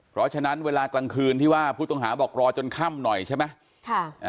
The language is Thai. เพราะฉะนั้นเวลากลางคืนที่ว่าผู้ต้องหาบอกรอจนค่ำหน่อยใช่ไหม